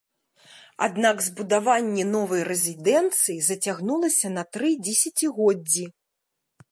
Аднак збудаванне новай рэзідэнцыі зацягнулася на тры дзесяцігоддзі.